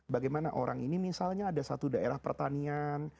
bagaimana orang ini misalnya ada satu daerah pertanian